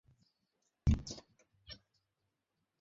উনারে বাইন্ধা আনছেন কেনো?